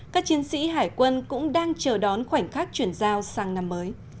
các chiến sĩ hải quân cũng đang chờ đón khoảnh khắc chuyển giao sang năm mới